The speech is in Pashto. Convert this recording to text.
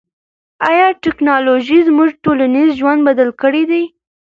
آیا ټیکنالوژي زموږ ټولنیز ژوند بدل کړی دی؟